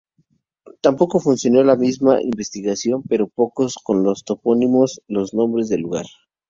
Tampoco funcionó la misma investigación pero con los topónimos, los nombres de lugar.